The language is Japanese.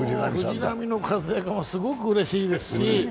藤浪の歓声がすごくうれしいですし。